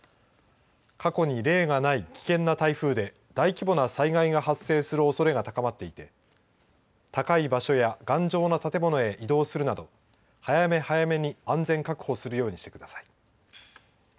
過去に例がない危険な台風で大規模な災害が発生するおそれが高まっていて高い場所や頑丈な建物へ移動するなど早め早めに安全確保するようにしてください。